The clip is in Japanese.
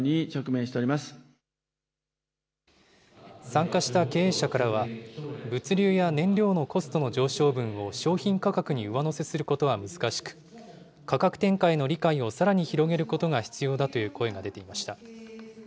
参加した経営者からは、物流や燃料のコストの上昇分を商品価格に上乗せすることは難しく、価格転嫁への理解をさらに広げることが必要だという声が出ていました。